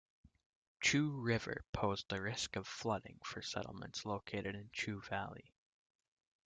Chu River posed a risk of flooding for settlements located in Chu Valley.